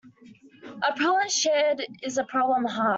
A problem shared is a problem halved.